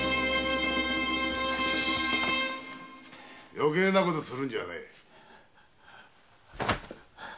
余計なことするんじゃねえ！